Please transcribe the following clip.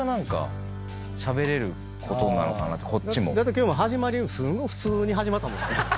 今日も始まりすごい普通に始まったもんね。